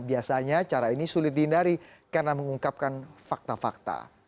biasanya cara ini sulit dihindari karena mengungkapkan fakta fakta